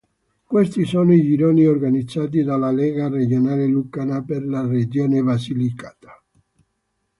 Questi sono i gironi organizzati dalla Lega Regionale Lucana per la regione Basilicata.